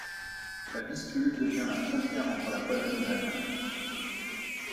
La Vistule devient la frontière entre la Pologne et l'Allemagne.